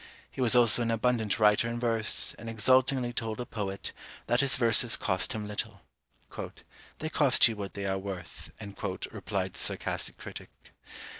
He was also an abundant writer in verse, and exultingly told a poet, that his verses cost him little: "They cost you what they are worth," replied the sarcastic critic.